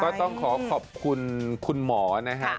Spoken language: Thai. ก็ต้องขอขอบคุณคุณหมอนะครับ